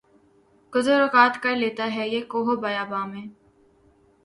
گزر اوقات کر لیتا ہے یہ کوہ و بیاباں میں